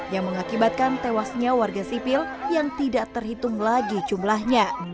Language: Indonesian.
yang mengakibatkan tewasnya warga sipil yang tidak terhitung lagi jumlahnya